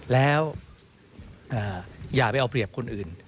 แล้วอย่าไปเอาเปรียบคนอื่น